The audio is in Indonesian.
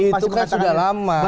itu kan sudah lama